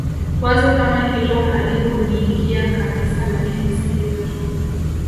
Wazo kama hilo halikuniingia kabisa Lakini si hivyo tu